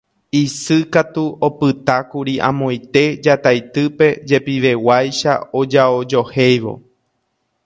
Isy katu opytákuri amoite Jataitýpe jepiveguáicha ojaojohéivo